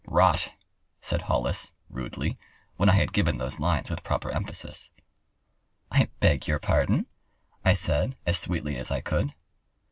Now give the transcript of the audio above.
"Rot," said Hollis, rudely, when I had given those lines with proper emphasis. "I beg your pardon!" I said, as sweetly as I could.